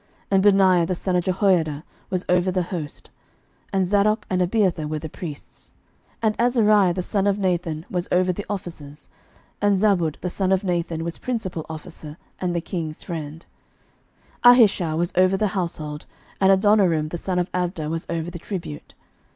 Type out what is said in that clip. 11:004:004 And Benaiah the son of Jehoiada was over the host: and Zadok and Abiathar were the priests: 11:004:005 And Azariah the son of Nathan was over the officers: and Zabud the son of Nathan was principal officer, and the king's friend: 11:004:006 And Ahishar was over the household: and Adoniram the son of Abda was over the tribute.